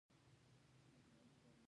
ښار صفا د زابل ولسوالۍ ده